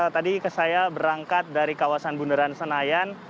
tadi saya berangkat dari kawasan bundaran senayan